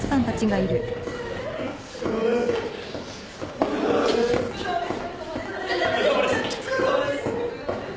お疲れさまです。